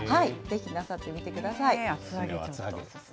なさってみてください。